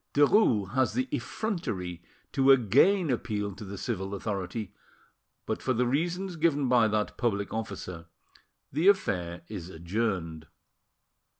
Derues has the effrontery to again appeal to the civil authority, but, for the reasons given by that public officer, the affair is adjourned.